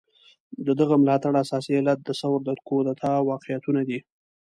د دغه ملاتړ اساسي علت د ثور د کودتا واقعيتونه دي.